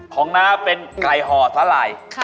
ของนะเป็นไก่ห่อสลาย